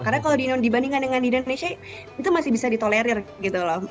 karena kalau dibandingkan dengan di indonesia itu masih bisa ditolerir gitu loh